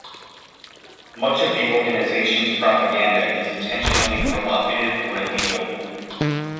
Much of the organisation's propaganda is intentionally provocative or illegal.